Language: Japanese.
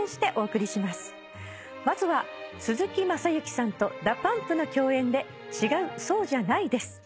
まずは鈴木雅之さんとＤＡＰＵＭＰの共演で『違う、そうじゃない』です。